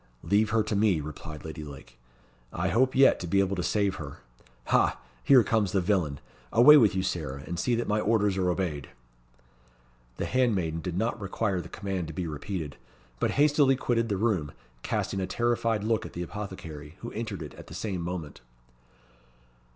"Leave her to me," replied Lady Lake. "I hope yet to be able to save her. Ha! here comes the villain. Away with you, Sarah, and see that my orders are obeyed." The handmaiden did not require the command to be repeated, but hastily quitted the room, casting a terrified look at the apothecary, who entered it at the same moment.